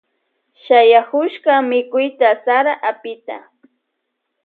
Shayakushka mikuyta sara apita.